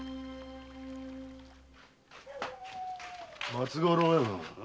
松五郎親分。